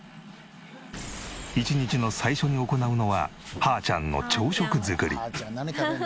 一日の最初に行うのはハーちゃん何食べるの？